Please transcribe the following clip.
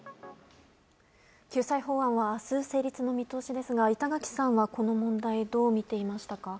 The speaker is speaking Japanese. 救済法案は明日、成立の見通しですが板垣さんは、この問題どう見ていましたか？